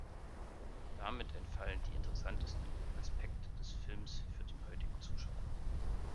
Damit entfallen die interessantesten Aspekte des Films für den heutigen Zuschauer.